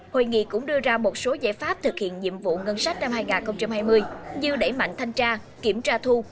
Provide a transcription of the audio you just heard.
hội nghị cũng đưa ra một số giải pháp thực hiện nhiệm vụ ngân sách năm hai nghìn hai mươi như đẩy mạnh thanh tra kiểm tra thu